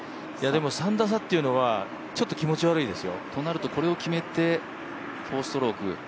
でも、３打差というのはちょっと気持ち悪いですよ。となるとこれを決めて４ストローク。